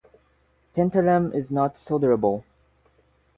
Tantalum is not solderable.